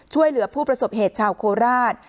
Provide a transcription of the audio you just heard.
ช่วยเหลือผู้ประสบเหตุชาวโคราช